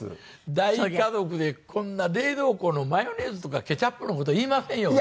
大家族でこんな冷蔵庫のマヨネーズとかケチャップの事言いませんよ普通。